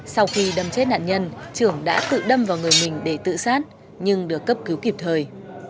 sau khi đâm chết nạn nhân trưởng đã tự đâm vào người mình để tự sát nhưng được cấp cứu kịp thời